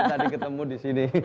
tadi ketemu di sini